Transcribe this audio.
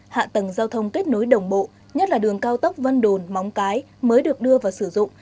hạ tầng giao thông kết nối đồng bộ nhất là đường cao tốc vân đồn móng cái mới được đưa vào sử dụng